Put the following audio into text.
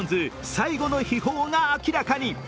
最後の秘宝が明らかに。